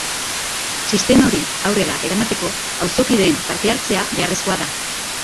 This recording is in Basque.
Sistema hori aurrera eramateko auzokideen parte-hartzea beharrezkoa da.